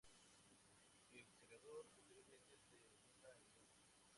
El Segador posteriormente se muda a Europa.